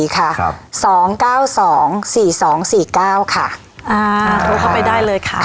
๒๙๒๔๒๔๙ค่ะโทรเข้าไปได้เลยค่ะ